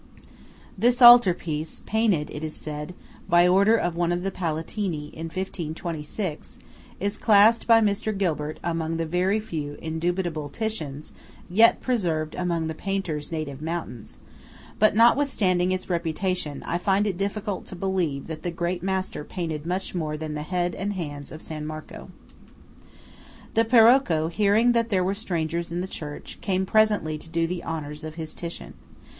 This altar piece, painted, it is said, by order of one of the Palatini in 1526, is classed by Mr. Gilbert among the "very few indubitable Titians" yet preserved among the painter's native mountains; but notwithstanding its reputation, I find it difficult to believe that the great master painted much more than the head and hands of San Marco. The Parocco, hearing that there were strangers in the church, came presently to do the honours of his Titian.